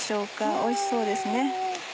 おいしそうですね。